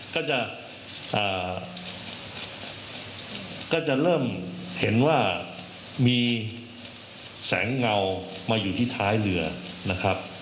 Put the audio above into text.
ก็จะเริ่มเห็นว่ามีแสงเงามาอยู่ที่ท้ายเรือนะครับ